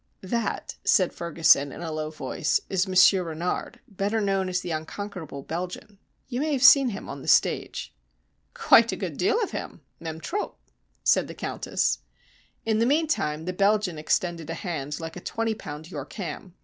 "That," said Ferguson, in a low voice, "is Monsieur Renard, better known as the Unconquerable Belgian. You may have seen him on the stage." "Quite a good deal of him même trop," said the Countess. In the meantime the Belgian extended a hand like a twenty pound York ham.